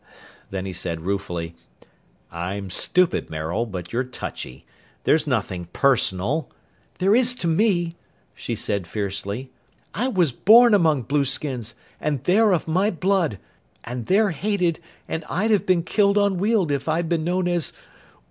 Then he said ruefully, "I'm stupid, Maril, but you're touchy. There's nothing personal " "There is to me!" she said fiercely. "I was born among blueskins, and they're of my blood, and they're hated and I'd have been killed on Weald if I'd been known as